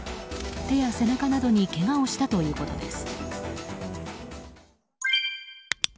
手や背中などにけがをしたということです。